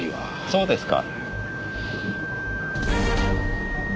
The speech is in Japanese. そうですか。